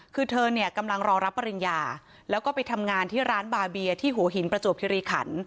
คือเธอเนี่ยกำลังรอรับปริญญาแล้วก็ไปทำงานที่ร้านบาเบียที่หัวหินประจวบคิริขัน